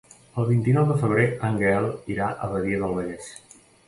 El vint-i-nou de febrer en Gaël irà a Badia del Vallès.